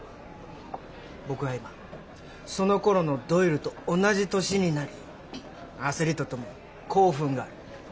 僕は今その頃のドイルと同じ年になり焦りとともに興奮がある。